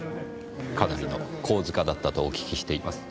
かなりの好事家だったとお聞きしています。